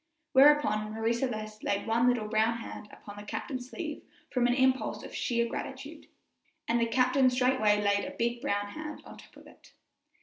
Whereupon Marie Celeste laid one little brown hand upon the captain's sleeve from an impulse of sheer gratitude, and the captain straightway laid a big brown hand atop of it.